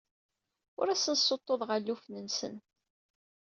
Ur asen-ssuṭṭuḍeɣ alufan-nsen.